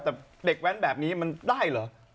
แต่วัดแบบนี้มันได้ไหม